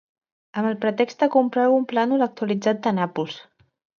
Amb el pretext de comprar algun plànol actualitzat de Nàpols.